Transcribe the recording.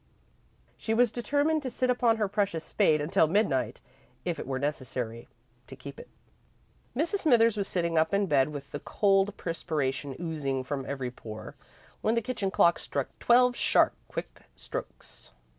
She was determined to sit upon her precious spade until midnight, if it were necessary, to keep it. Mrs. Smithers was sitting up in bed with the cold perspiration oozing from every pore, when the kitchen clock struck twelve sharp, quick strokes.